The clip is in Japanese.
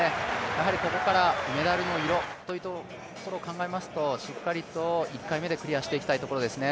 やはりここからメダルの色ということを考えますとしっかりと１回目でクリアしていきたいところですね。